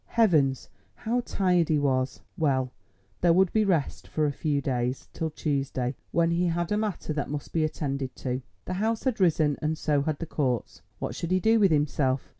Heavens, how tired he was! Well, there would be rest for a few days—till Tuesday, when he had a matter that must be attended to—the House had risen and so had the courts. What should he do with himself?